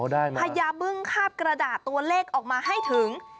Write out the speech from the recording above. อ๋อได้มากพยาบึ้งคาบกระดาษตัวเลขออกมาให้ถึง